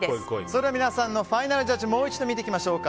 それでは皆さんのファイナルジャッジもう一度、見ていきましょう。